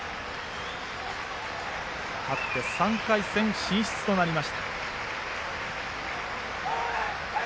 勝って３回戦進出となりました。